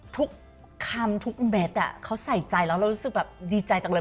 ทุกคำทุกเม็ดเขาใส่ใจแล้วเรารู้สึกแบบดีใจจังเลย